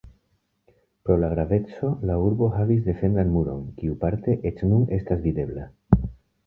Pro la graveco la urbo havis defendan muron, kiu parte eĉ nun estas videbla.